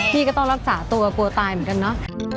พี่ก็ต้องรักษาตัวกลัวตายเหมือนกันเนอะ